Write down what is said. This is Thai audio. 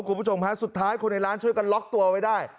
คุณผู้ชมฮะสุดท้ายคนในร้านช่วยกันล็อกตัวไว้ได้